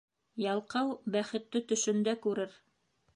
Ялҡау бәхетте төшөндә күрер.